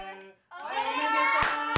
おめでとう！